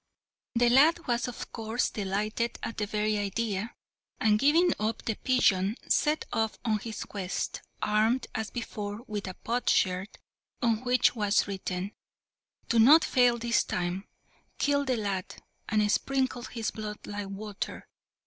The lad was of course delighted at the very idea, and, giving up the pigeon, set off on his quest, armed as before with a potsherd, on which was written, "Do not fail this time. Kill the lad, and sprinkle his blood like water!"